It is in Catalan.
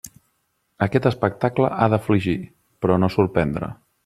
Aquest espectacle ha d'afligir, però no sorprendre.